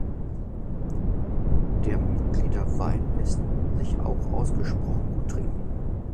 Der Mitgliederwein lässt sich auch ausgesprochen gut trinken.